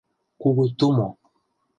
КУГУ ТУМО